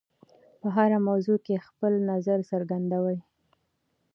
په هره موضوع کې خپل نظر څرګندوي.